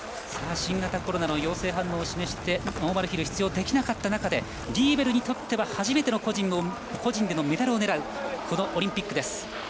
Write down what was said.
新型コロナの陽性判明を示してノーマルヒル出場できなかった中でリーベルにとっては初めての個人でのメダルを狙うこのオリンピックです。